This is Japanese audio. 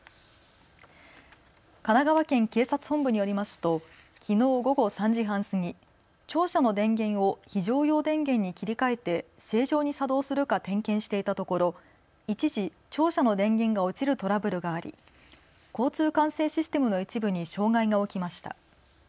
神奈川県警察本部によりますときのう午後３時半過ぎ、庁舎の電源を非常用電源に切り替えて正常に作動するか点検していたところ一時、庁舎の電源が落ちるトラブルがあり交通管制システムの一部に障害が起きました。